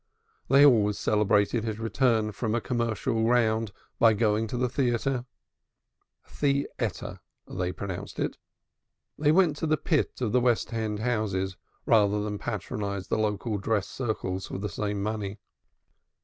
They always celebrated his return from a commercial round by going to the theatre the etter they pronounced it. They went to the pit of the West End houses rather than patronize the local dress circles for the same money.